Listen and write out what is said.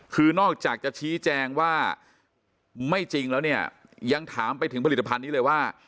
คือนอกจากจะชี้แจงว่าไม่จริงแล้วเนี่ยยังถามไปถึงผลิตภัณฑ์นี้เลยว่า